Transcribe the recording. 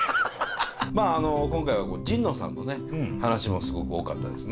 まああの今回は神野さんのね話もすごく多かったですね。